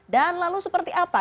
dan lalu seperti apa